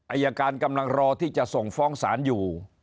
อายการกำลังรอที่จะส่งฟ้องศาลอยู่